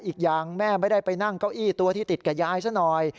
อีกอย่างแม่ไม่ได้ไปนั่งเก้าอี้ตัวที่ติดกับยายซะหน่อย